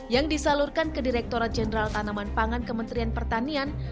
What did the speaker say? yang disalurkan ke direkturat jenderal tanaman pangan kementerian pertanian